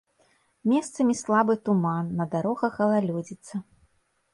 Месцамі слабы туман, на дарогах галалёдзіца.